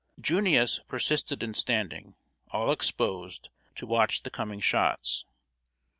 "Junius" persisted in standing, all exposed, to watch the coming shots.